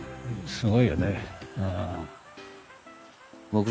すごいよね。